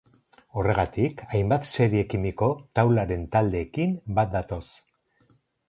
Horregatik hainbat serie kimiko taularen taldeekin bat datoz.